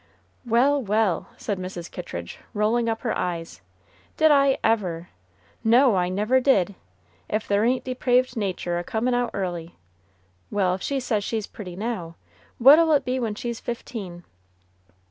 "Well! well!" said Mrs. Kittridge, rolling up her eyes, "did I ever! no, I never did. If there ain't depraved natur' a comin' out early. Well, if she says she's pretty now, what'll it be when she's fifteen?"